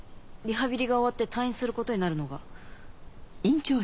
リハビリが終わって退院することになるのが。